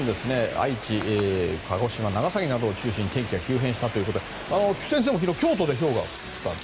愛知、鹿児島、長崎などを中心に天気が急変したということで菊地先生も京都でひょうが降ったと。